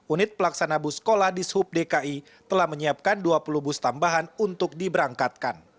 unit pelaksana bus sekolah di sub dki telah menyiapkan dua puluh bus tambahan untuk diberangkatkan